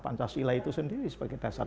pancasila itu sendiri sebagai dasar